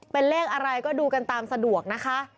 เป็นเลขอะไรก็ดูกันตามสะดวกนะคะ